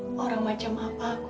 terima kasih bu